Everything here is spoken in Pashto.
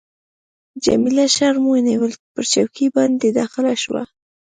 جميله شرم ونیول، پر چوکۍ باندي داخله شوه.